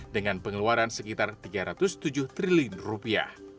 dengan pengeluaran sekitar tiga ratus tujuh triliun rupiah